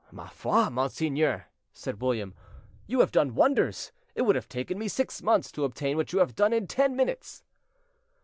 "Ma foi, monseigneur," said William, "you have done wonders. It would have taken me six months to obtain what you have done in ten minutes."